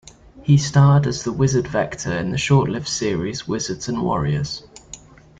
He starred as the wizard Vector in the short-lived series "Wizards and Warriors".